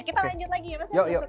kita lanjut lagi ya mas rian di golkar